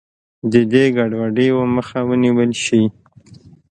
د دې ګډوډیو مخه ونیول شي.